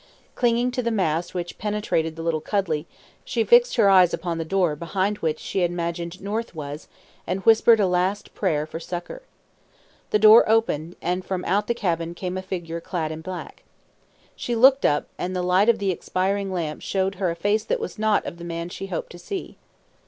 Clinging to the mast which penetrated the little cuddy, she fixed her eyes upon the door behind which she imagined North was, and whispered a last prayer for succour. The door opened, and from out the cabin came a figure clad in black. She looked up, and the light of the expiring lamp showed her a face that was not that of the man she hoped to see.